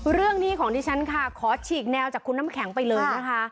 เรื่องนี้ของดิฉันค่ะขอฉีกแนวจากคุณน้ำแข็งไปเลยนะคะ